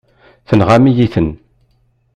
Tenɣam-iyi-ten.